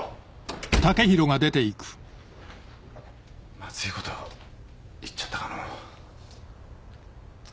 まずいこと言っちゃったかのう。